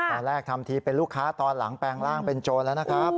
ตอนแรกทำทีเป็นลูกค้าตอนหลังแปลงร่างเป็นโจรแล้วนะครับ